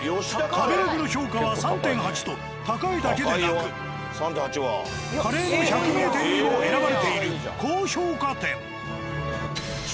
食べログの評価は３．８と高いだけでなくカレーの百名店にも選ばれている高評価店。